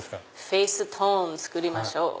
フェーストーン作りましょう。